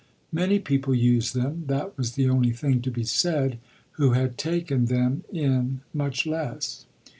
Many people used them that was the only thing to be said who had taken them in much less.